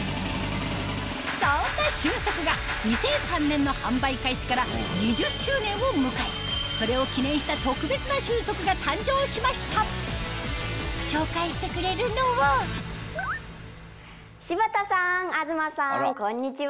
そんな瞬足が２００３年の販売開始から２０周年を迎えそれを記念した特別な瞬足が誕生しました紹介してくれるのは柴田さん東さんこんにちは！